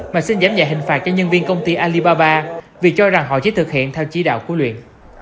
mà xin giám nhạc hình phạt cho nhân viên công ty alibaba vì cho rằng họ chỉ thực hiện theo chí đạo của luyện